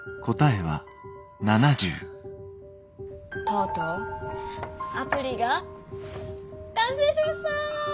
とうとうアプリが完成しました！